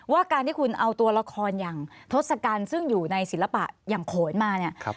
ว่าการที่คุณเอาตัวละครอย่างทศกัณฐ์ซึ่งอยู่ในศิลปะอย่างโขนมาเนี่ย